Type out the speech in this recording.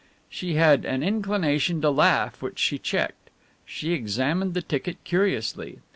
She had an inclination to laugh which she checked. She examined the ticket curiously.